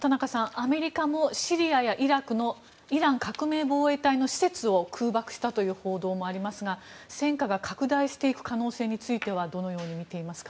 アメリカもシリアやイラクのイラン革命防衛隊の施設を空爆したという報道もありますが戦火が拡大している可能性についてはどのようにみていますか。